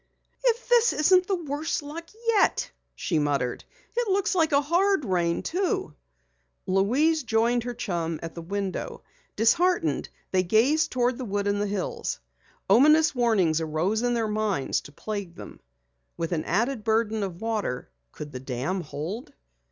"If this isn't the worst luck yet!" she muttered. "It looks like a hard rain too." Louise joined her chum at the window. Disheartened, they gazed toward the woods and the hills. Ominous warnings arose in their minds to plague them. With an added burden of water could the dam hold?